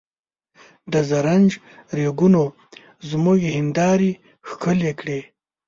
د زرنج ریګونو زموږ هندارې ښکل کړې.